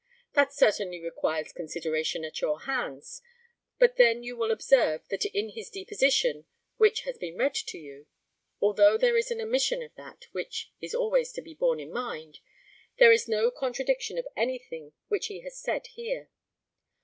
That certainly requires consideration at your hands; but then you will observe that in his deposition, which has been read to you, although there is an omission of that, which is always to be borne in mind, there is no contradiction of anything which he has said here.